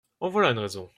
En voilà une raison !